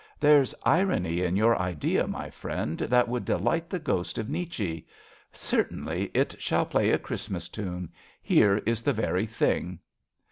There's irony In your idea, my friend, that would deUght The ghost of Nietzsche ! Certainly, it shall play A Christmas tune. Here is the very thing.